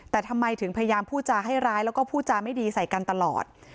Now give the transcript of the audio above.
แต่ทำไมถึงพยายามพูดจาให้ร้ายแล้วก็พูดจาไม่ดีใส่กันตลอด